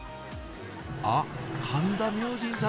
あっ神田明神様